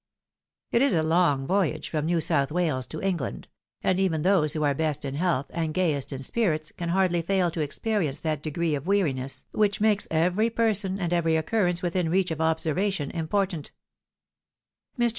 It is a long voyage from New South Wales to England ; and even those who are best in health, and gayest in spirits, can hardly fail to experience that degree of weariness, which makeS every person, and every occurrence within reach of observation, important, ilr.